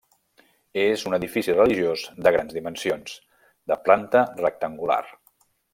És un edifici religiós de grans dimensions, de planta rectangular.